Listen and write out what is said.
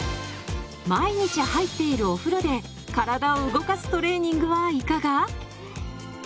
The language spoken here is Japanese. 毎日入っているお風呂で体を動かすトレーニングはいかが？